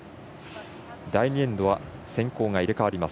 第２エンドは先攻が入れ替わります。